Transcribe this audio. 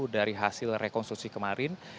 dari hasil rekonstruksi kemarin